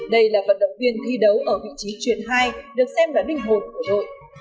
đây là vận động viên thi đấu ở vị trí truyền hai được xem là linh hồn của đội